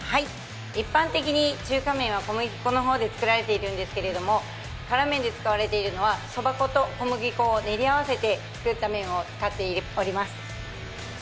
一般的に中華麺は小麦粉の方で作られているんですけど辛麺で使われているのはそば粉と小麦粉を練り合わせて作った麺を使っております。